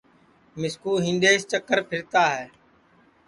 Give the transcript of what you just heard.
مِسکُو ہِنڈؔیس چکر پھرتا ہے